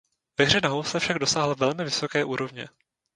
Ve hře na housle však dosáhl velmi vysoké úrovně.